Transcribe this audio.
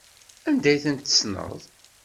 Anda ay tent-tessneḍ?